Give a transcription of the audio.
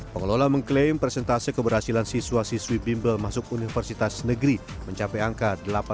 pengelola mengklaim presentase keberhasilan siswa siswi bimbel masuk universitas negeri mencapai angka